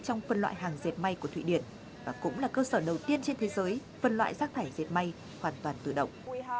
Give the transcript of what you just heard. trong phần loại hàng diệt may của thụy điển và cũng là cơ sở đầu tiên trên thế giới phần loại rác thải diệt may hoàn toàn tự động